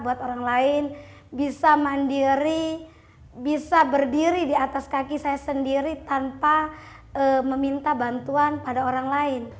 buat orang lain bisa mandiri bisa berdiri di atas kaki saya sendiri tanpa meminta bantuan pada orang lain